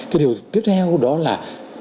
cái điều tiếp theo đó là